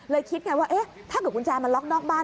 เลยคิดอย่างไรว่าถ้าเกิดกุญแจมันล็อกนอกบ้าน